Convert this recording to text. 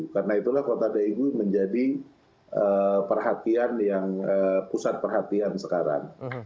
karena itulah kota daegu menjadi perhatian yang pusat perhatian sekarang